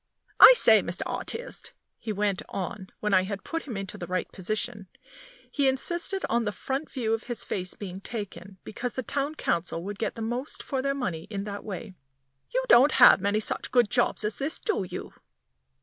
"I say, Mr. Artist," he went on, when I had put him into the right position (he insisted on the front view of his face being taken, because the Town Council would get the most for their money in that way), "you don't have many such good jobs as this, do you?"